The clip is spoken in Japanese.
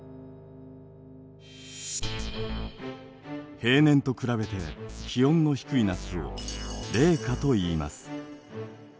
平年と比べて気温の低い夏を「冷夏」といいます。